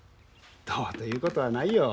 どうということはないよ。